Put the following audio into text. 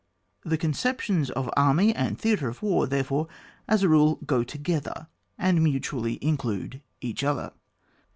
The conceptions of Army and Theatre of War therefore, as a rule, go together, and mutually include each other.